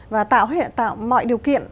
và tạo mọi điều kiện